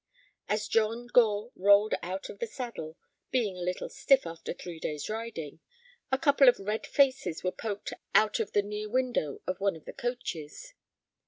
As John Gore rolled out of the saddle, being a little stiff after three days' riding, a couple of red faces were poked out of the near window of one of the coaches.